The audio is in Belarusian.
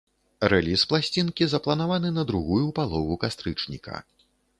Рэліз пласцінкі запланаваны на другую палову кастрычніка.